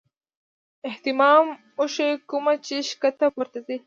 اهتمام اوشي کومه چې ښکته پورته ځي -